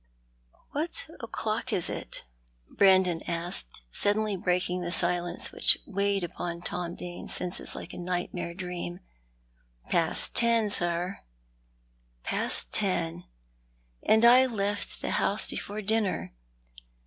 " What o'clock is it ?" Brandon asked, suddenly breaking the silence which weighed upon Tom Dane's senses like a nightmare dream. " Past ten, sir." " Past ten ! And I left the house before dinner.